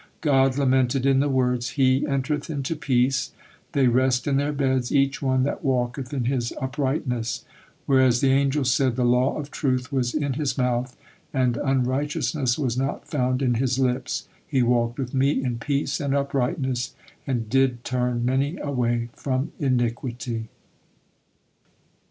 God lamented in the words, "He entereth into peace; they rest in their beds, each one that walketh in his uprightness," whereas the angels said: "The law of truth was in his mouth, and unrighteousness was not found in his lips: he walked with Me in peace and uprightness, and did turn many away from iniquity."